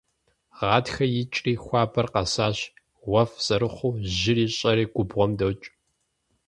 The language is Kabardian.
Гъатхэр икӏри хуабэр къэсащ, уэфӏ зэрыхъуу жьыри щӏэри губгъуэм докӏ.